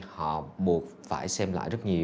họ buộc phải xem lại rất nhiều